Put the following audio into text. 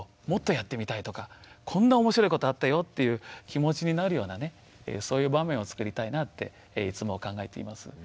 もっとやってみたいとかこんな面白いことあったよっていう気持ちになるようなねそういう場面をつくりたいなっていつも考えています。